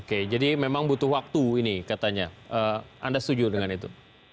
oke jadi memang butuh waktu ini katanya anda setuju dengan itu